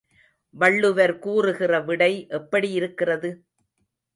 வள்ளுவர் கூறுகிற விடை எப்படி இருக்கிறது?